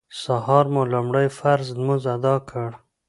سهار مو لومړی فرض لمونځ اداء کړ.